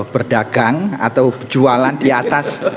berdagang atau jualan di atas